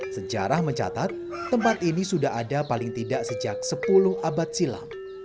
sejarah mencatat tempat ini sudah ada paling tidak sejak sepuluh abad silam